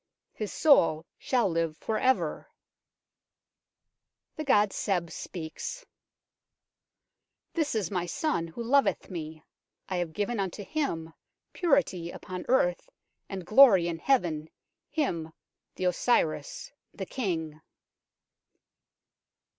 His soul shall live for ever !" 150 UNKNOWN LONDON The god SEB speaks :" This is my son who loveth me. I have given unto him purity upon earth and glory in heaven, him the Osiris, the King."